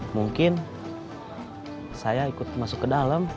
mungkin saya ikut masuk ke dalam